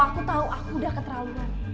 aku tahu aku udah keteralingan